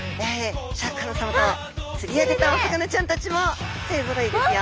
シャーク香音さまと釣り上げたお魚ちゃんたちも勢ぞろいですよ。